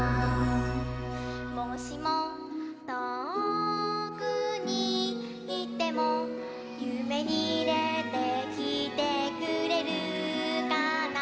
「もしもとおくにいってもゆめにでてきてくれるかな？」